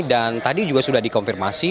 dan tadi juga sudah dikonfirmasi